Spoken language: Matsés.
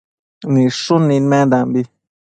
Nidshun nidmenbi